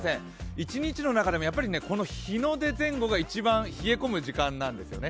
一日の中でも日の出前後が一番冷え込む時間なんですよね。